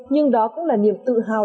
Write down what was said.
nhưng đó cũng là niềm tự hào